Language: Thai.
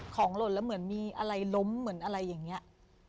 หล่นแล้วเหมือนมีอะไรล้มเหมือนอะไรอย่างนี้